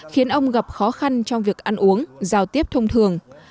khiến ông gặp khó khăn trong việc ăn uống giao tiếp thông thường